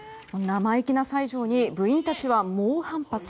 生意気な西条に部員たちは猛反発。